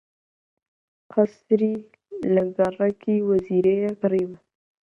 قەسری لە گەڕەکی وەزیرییە کڕیوە